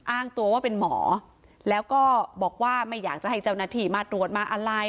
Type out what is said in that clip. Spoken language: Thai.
อ้างตัวว่าเป็นหมอแล้วก็บอกว่าไม่อยากจะให้เจ้าหน้าที่มาตรวจมาอะไร